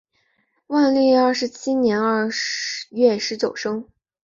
万历二十七年二月十九日生。